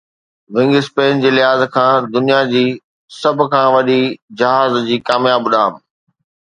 wing spin جي لحاظ کان دنيا جي سڀ کان وڏي جهاز جي ڪامياب اڏام